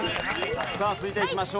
さあ続いていきましょう。